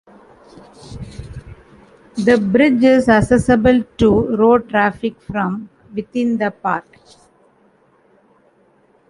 The bridge is accessible to road traffic from within the park.